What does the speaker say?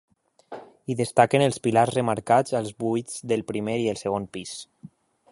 Hi destaquen els pilars remarcats als buits del primer i el segon pis.